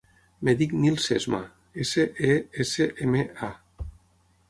Em dic Nil Sesma: essa, e, essa, ema, a.